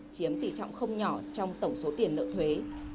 chiếm tỷ trọng không nhỏ trong tổng số tiền nợ thuế